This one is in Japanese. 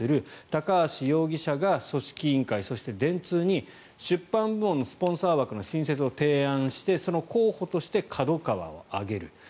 高橋容疑者が組織委員会、そして電通に出版部門のスポンサー枠の新設を提案してその候補としてＫＡＤＯＫＡＷＡを挙げる。